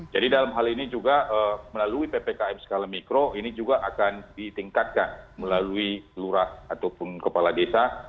jadi dalam hal ini juga melalui ppkm skala mikro ini juga akan ditingkatkan melalui lurah ataupun kepala desa